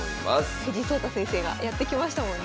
藤井聡太先生がやって来ましたもんね。